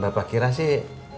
bapak kira sih